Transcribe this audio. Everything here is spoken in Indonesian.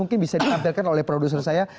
kita akan tampilkan oleh produser saya